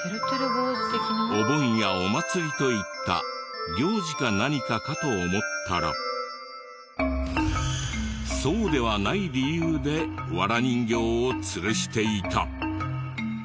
お盆やお祭りといった行事か何かかと思ったらそうではない理由でワラ人形を吊るしていた。